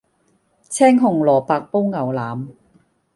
青紅蘿蔔煲牛腩